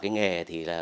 cái nghề thì là